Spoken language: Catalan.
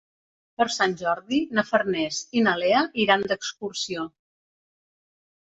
Per Sant Jordi na Farners i na Lea iran d'excursió.